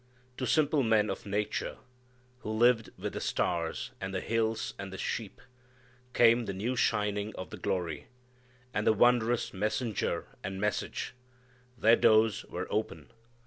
To simple men of nature who lived with the stars and the hills and the sheep, came the new shining of the glory, and the wondrous messenger and message. Their doors were open.